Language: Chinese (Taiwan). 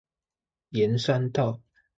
沿山道